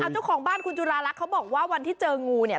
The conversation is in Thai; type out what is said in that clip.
เจ้าของบ้านคุณจุราลักษณ์เขาบอกว่าวันที่เจองูเนี่ย